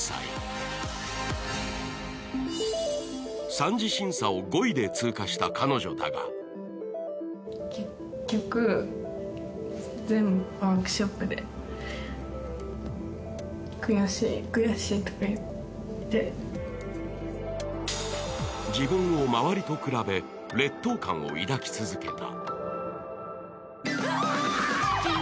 三次審査を５位で通過した彼女だが自分と周りと比べ、劣等感を抱き続けた。